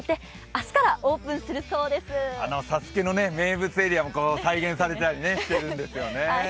あの「ＳＡＳＵＫＥ」の名物エリアも再現されたりしてるんですよね。